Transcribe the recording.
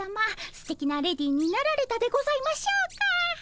すてきなレディーになられたでございましょうか？